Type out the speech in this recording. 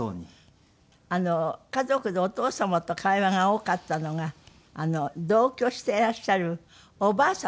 家族でお父様と会話が多かったのが同居していらっしゃるおばあ様？